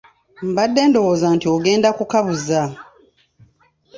Mbadde ndowooza nti ogenda kukabuza.